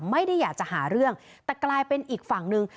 ไม่ได้อยากจะหาเรื่องแต่กลายเป็นอีกฝั่งหนึ่ง